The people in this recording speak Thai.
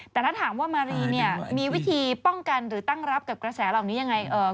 แต่ถ้าถามว่ามารีเนี่ยมีวิธีป้องกันหรือตั้งรับกับกระแสเหล่านี้ยังไง